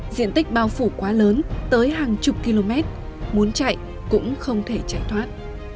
diện tích bao phủ quá lớn tới hàng chục km muốn chạy cũng không thể chạy thoát